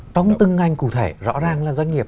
trong từng ngành cụ thể rõ ràng là doanh nghiệp